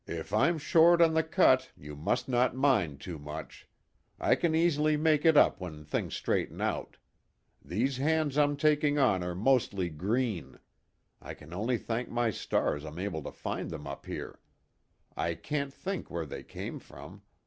"If I'm short on the cut you must not mind too much. I can easily make it up when things straighten out. These hands I'm taking on are mostly 'green.' I can only thank my stars I'm able to find them up here. I can't think where they come from.